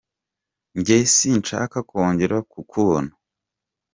Njye sinshaka kongera kukubona.